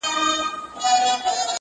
خو ده ويله چي په لاره کي خولگۍ نه غواړم_